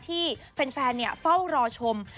ที่แฟนเฝ้ารอชม